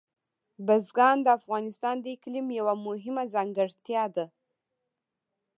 بزګان د افغانستان د اقلیم یوه مهمه ځانګړتیا ده.